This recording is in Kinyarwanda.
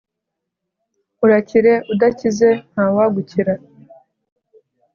Urakire udakize ntawagukira »